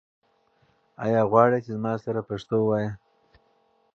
آیا غواړې چې زما سره پښتو ووایې؟